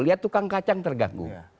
lihat tukang kacang terganggu